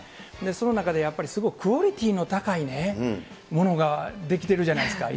その中でやっぱりすごくクオリティーの高いものが出来てるじゃないですか。